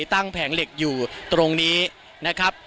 แผงเหล็กอยู่ตรงนี้นะครับ